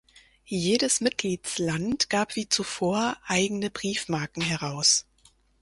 Jedes Mitgliedsland gab wie zuvor eigene Briefmarken heraus.